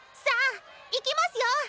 さあいきますよ！